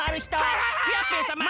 クヨッペンさま。